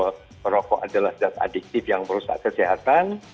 bahwa rokok adalah dasar adiktif yang merusak kesehatan